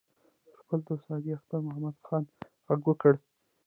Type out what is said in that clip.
پر خپل دوست حاجي اختر محمد خان غږ وکړ.